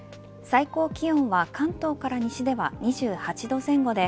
最高気温は関東から西では２８度前後で